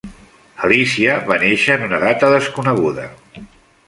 Alícia va néixer en una data desconeguda.